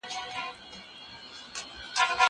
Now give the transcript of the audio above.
کالي وچ کړه!؟